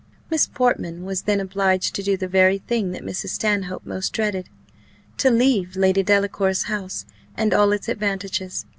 Miss Portman was then obliged to do the very thing that Mrs. Stanhope most dreaded to leave Lady Delacour's house and all its advantages.